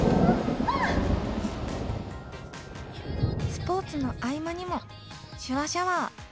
スポーツの合間にも「手話シャワー」。